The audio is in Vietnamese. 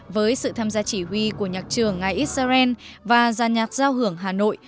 với sự tham gia chỉ huy của nhạc trường ngài israel và gia nhạc giao hưởng hà nội